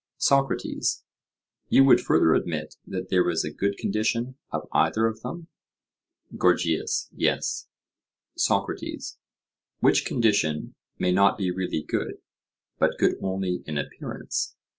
SOCRATES: You would further admit that there is a good condition of either of them? GORGIAS: Yes. SOCRATES: Which condition may not be really good, but good only in appearance?